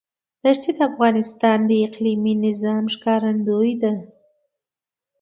دښتې د افغانستان د اقلیمي نظام ښکارندوی ده.